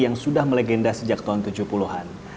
yang sudah melegenda sejak tahun tujuh puluh an